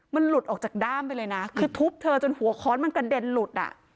มันหลุดออกจากด้ามไปเลยนะคือทุบเธอจนหัวค้อนมันกระเด็นหลุดอ่ะ